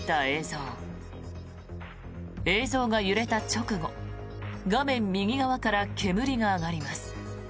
映像が揺れた直後画面右側から煙が上がります。